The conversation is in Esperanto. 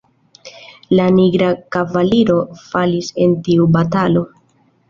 La nigra kavaliro falis en tiu batalo.